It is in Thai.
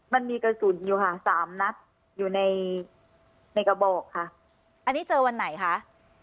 มันมีกระสุนอยู่ค่ะสามนัดอยู่ในในกระบอกค่ะอันนี้เจอวันไหนคะ